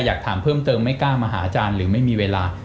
อยากถามเพิ่มเติมไม่กล้ามาหาอาจารย์หรือไม่มีเวลา